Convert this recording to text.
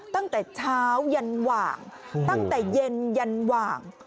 ตั้งแต่เช้ายันหว่างตั้งแต่เย็นยันหว่าง